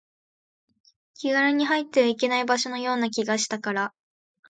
気軽に入ってはいけない場所のような気がしたから